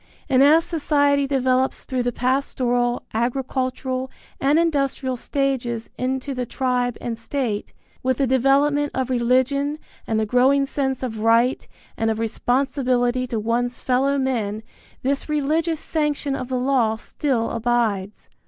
And as society develops through the pastoral, agricultural and industrial stages into the tribe and state, with the development of religion and the growing sense of right and of responsibility to one's fellow men, this religious sanction of the law still abides.